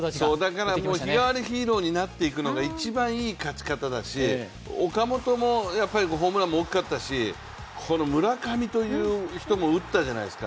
だから日替わりヒーローになっていくのが一番いい勝ち方だし、岡本も、ホームランも大きかったし村上という人も打ったじゃないですか。